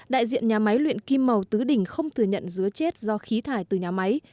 đại diện nhà máy luyện kim màu tứ đỉnh không thừa nhận dứa chết do khí thải từ nhà máy